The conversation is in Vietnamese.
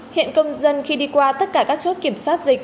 hiện công dân khi đi qua tất cả các chốt kiểm soát dịch